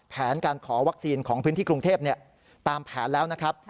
แผนการขอวัคซีนของพื้นที่กรุงเทพตามแผนแล้วนะครับ